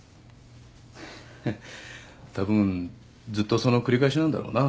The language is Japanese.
たぶんずっとその繰り返しなんだろうな。